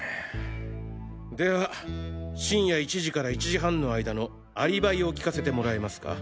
では深夜１時から１時半の間のアリバイを聞かせてもらえますか？